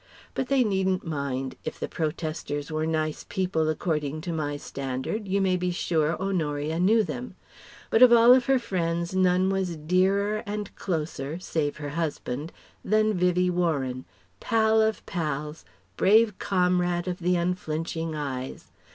But they needn't mind: if the protesters were nice people according to my standard, you may be sure Honoria knew them. But of all her friends none was dearer and closer save her husband than Vivie Warren pal of pals, brave comrade of the unflinching eyes.